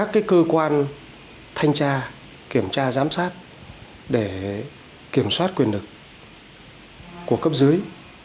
kiểm tra giám sát để kiểm soát quyền lực của cấp dưới